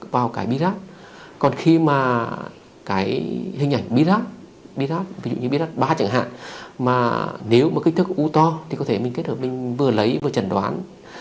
vào cái virus còn khi mà cái hình ảnh virus ví dụ như virus ba chẳng hạn mà nếu mà kích thước u to thì có thể mình kết hợp mình vừa lấy vừa chẩn đoán